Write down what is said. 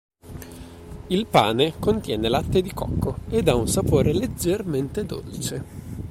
Il pane contiene latte di cocco, ed ha un sapore leggermente dolce.